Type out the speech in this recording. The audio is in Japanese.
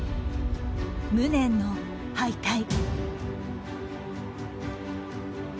無念の敗退。